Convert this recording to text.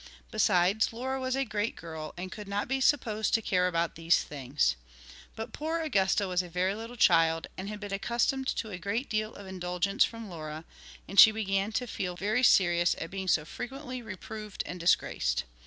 Besides, Laura was a great girl and could not be supposed to care about these things. But poor Augusta was a very little child and had been accustomed to a great deal of indulgence from Laura, and she began to feel very serious at being so frequently reproved and disgraced.